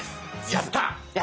やった！